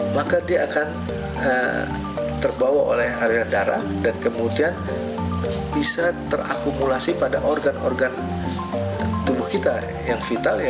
maka dia akan terbawa oleh aliran darah dan kemudian bisa terakumulasi pada organ organ tubuh kita yang vital